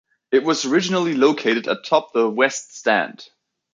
It was originally located atop the West Stand.